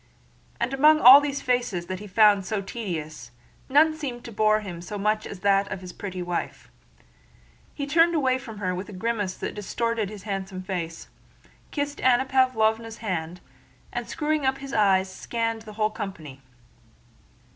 And among all these faces that he found so tedious, none seemed to bore him so much as that of his pretty wife. He turned away from her with a grimace that distorted his handsome face, kissed Anna Pávlovna's hand, and screwing up his eyes scanned the whole company.